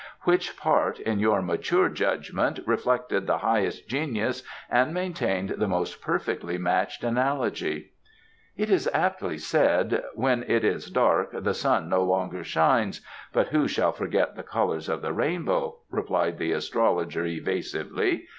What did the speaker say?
"Which part, in your mature judgment, reflected the highest genius and maintained the most perfectly matched analogy?" "It is aptly said: 'When it is dark the sun no longer shines, but who shall forget the colours of the rainbow?'" replied the astrologer evasively.